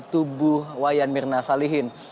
tubuh wayan mirna salihin